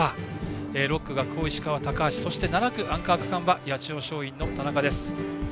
６区は学法石川の高橋７区、アンカー区間は八千代松陰の田中です。